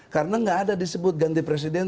karena gak ada disebut ganti presiden